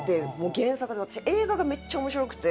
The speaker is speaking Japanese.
原作で私映画がめっちゃ面白くて。